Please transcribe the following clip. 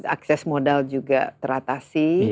akses modal juga teratasi